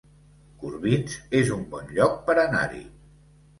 Corbins es un bon lloc per anar-hi